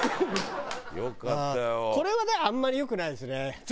これはだからあんまりよくないですね。